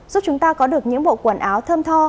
giúp chúng ta có được những bộ quần áo thơm tho